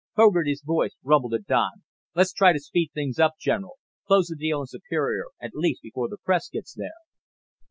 Fogarty's voice rumbled at Don: "Let's try to speed things up, General. Close the deal on Superior, at least, before the press get there."